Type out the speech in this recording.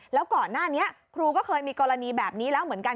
แล้วก่อนหน้านี้ครูก็เคยมีกรณีแบบนี้แล้วเหมือนกัน